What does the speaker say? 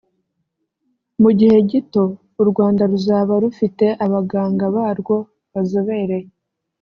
mu gihe gito u Rwanda ruzaba rufite abaganga barwo bazobereye